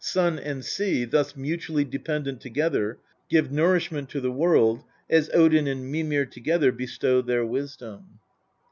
Sun and sea, thus mutually dependent together, give nourishment to the world, as Odin and Mimir together bestow their wisdom.